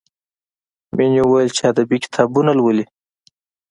مینې وویل چې ادبي کتابونه لولي